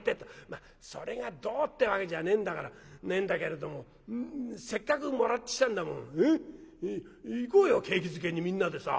まあそれがどうってわけじゃねえんだからねえんだけれどもせっかくもらってきたんだもんえっ行こうよ景気づけにみんなでさ。